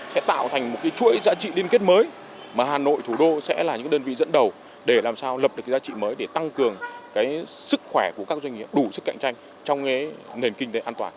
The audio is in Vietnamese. sẽ tạo thành một chuỗi giá trị liên kết mới mà hà nội thủ đô sẽ là những đơn vị dẫn đầu để làm sao lập được giá trị mới để tăng cường sức khỏe của các doanh nghiệp đủ sức cạnh tranh trong nền kinh tế an toàn